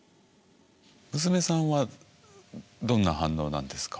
娘さんはどんな反応なんですか？